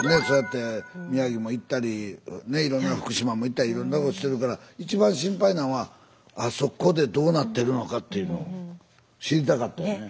そうやって宮城も行ったりねいろんな福島も行ったりいろんなことしてるから一番心配なんはあそこでどうなってるのかっていうのを知りたかったよね。